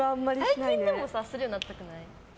最近するようになったくない？